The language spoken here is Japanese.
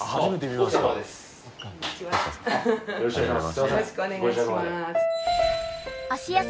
よろしくお願いします。